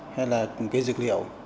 hay dược liệu